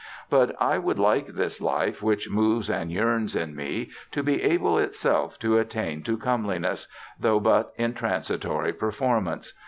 But I would like this life which moves and yearns in me, to be able itself to attain to comeliness, though but in transitory performance.